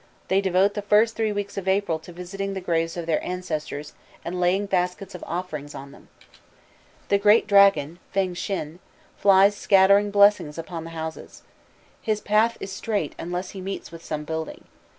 They devote the first three weeks in April to visiting the graves of their ancestors, and laying baskets of offerings on them. The great dragon, Feng Shin, flies scattering blessings upon the houses. His path is straight, unless he meets with some building.